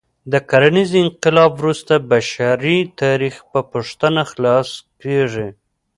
له کرنیز انقلاب وروسته بشري تاریخ په پوښتنه خلاصه کېږي.